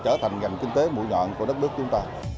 trở thành ngành kinh tế mũi nhọn của đất nước chúng ta